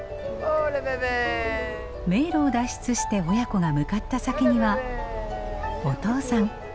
迷路を脱出して親子が向かった先にはお父さん。